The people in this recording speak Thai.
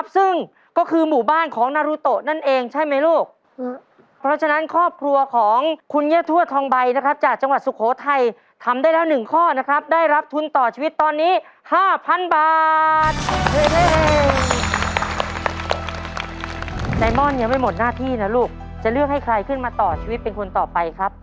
ไซมอนยังไม่หมดหน้าที่นะลูกจะเลือกให้ใครขึ้นมาต่อชีวิตเป็นคนต่อไปครับ